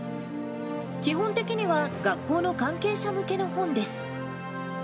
基本的には学校の関係者向けの本です。